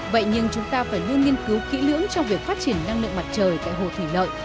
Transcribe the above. vậy nhưng chúng ta phải luôn nghiên cứu kỹ lưỡng trong việc phát triển năng lượng mặt trời tại hồ thủy lợi